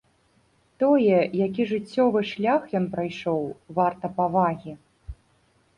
Тое, які жыццёвы шлях ён прайшоў, варта павагі.